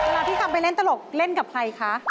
พี่กำไปเล่นตลกเล่นกับใครคะ